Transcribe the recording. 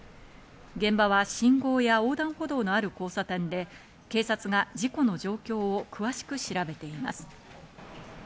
現場は信号や横断歩道のある交差点で警察が事故の状況を詳しく調べています。